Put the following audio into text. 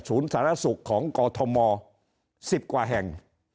สารสุขของกอทม๑๐กว่าแห่ง